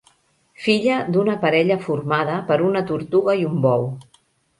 Filla d'una parella formada per una tortuga i un bou.